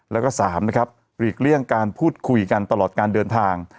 แล้วก็๓นะครับหลีกเลี่ยงการพูดคุยกันตลอดการเดินทาง